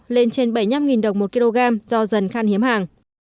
lên trên bảy mươi năm đồng một kg do dần khăn hiếm hàng